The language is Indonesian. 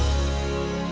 cepet duluan lah